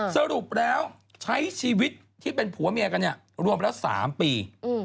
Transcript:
สรุปแล้วใช้ชีวิตที่เป็นผัวเมียกันเนี่ยรวมละ๓ปี